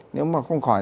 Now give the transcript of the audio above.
nếu mà không khỏi